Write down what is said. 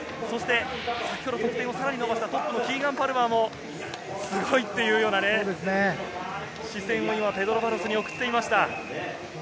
先ほど得点を伸ばしたトップのキーガン・パルマーもすごいというような視線をペドロ・バロスに送っていました。